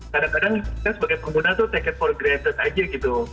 kadang kadang kita sebagai pengguna itu tacket for granted aja gitu